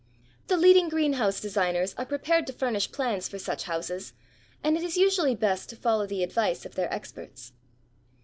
The leading greenhouse designers are prepared to furnish plans for such houses and it is usually best to follow the advice of their experts.